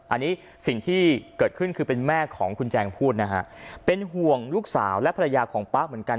อันนี้สิ่งที่เกิดขึ้นคือเป็นแม่ของคุณแจงพูดนะฮะเป็นห่วงลูกสาวและภรรยาของป๊าเหมือนกัน